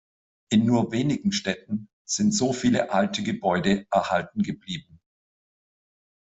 In nur wenigen Städten sind so viele alte Gebäude erhalten geblieben.